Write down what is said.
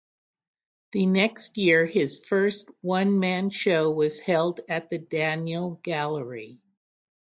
The next year his first one-man show was held at the Daniel Gallery.